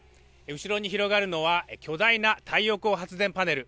後ろに広がるのは巨大な太陽光発電パネル。